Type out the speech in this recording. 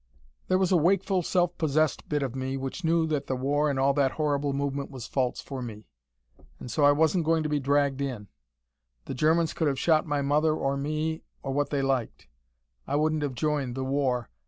"There was a wakeful, self possessed bit of me which knew that the war and all that horrible movement was false for me. And so I wasn't going to be dragged in. The Germans could have shot my mother or me or what they liked: I wouldn't have joined the WAR.